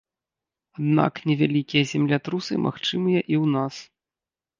Аднак невялікія землятрусы магчымыя і ў нас.